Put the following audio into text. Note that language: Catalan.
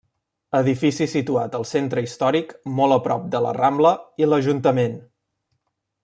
Edifici situat al centre històric molt a prop de la Rambla i l'Ajuntament.